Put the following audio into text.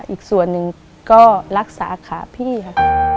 อีกส่วนหนึ่งก็รักษาขาพี่ค่ะ